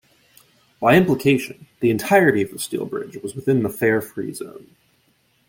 By implication the entirety of the Steel Bridge was within the fare-free zone.